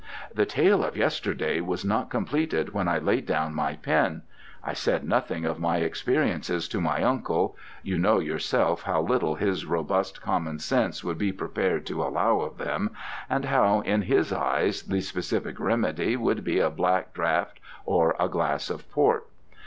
"The tale of yesterday was not completed when I laid down my pen. I said nothing of my experiences to my uncle you know, yourself, how little his robust common sense would be prepared to allow of them, and how in his eyes the specific remedy would be a black draught or a glass of port.